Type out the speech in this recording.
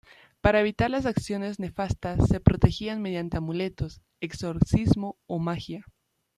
Para evitar las acciones nefastas se protegían mediante amuletos, exorcismo o magia.